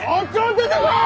出てこい！